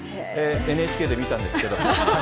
ＮＨＫで見たんですけど。